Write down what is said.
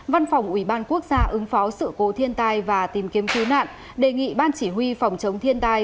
văn phòng ủy ban quốc gia ứng phó sự cố thiên tai và tìm kiếm cứu nạn đề nghị ban chỉ huy phòng chống thiên tai